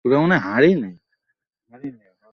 কুমুর মুখের ভাব দেখে নবীনের মন ব্যথিত হয়ে উঠল।